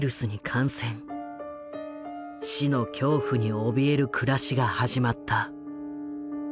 死の恐怖におびえる暮らしが始まった。